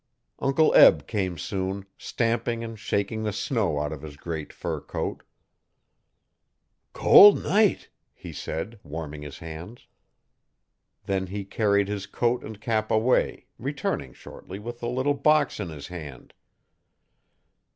Uncle Eb came soon, stamping and shaking the snow out of his great fur coat. 'Col'night,' he said, warming his hands. Then he carried his coat and cap away, returning shortly, with a little box in his hand.